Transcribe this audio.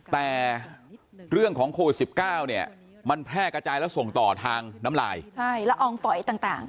แต่เรื่องของโควิด๑๙เนี่ยมันแพร่กระจายแล้วส่งต่อทางน้ำลายละอองฝอยต่าง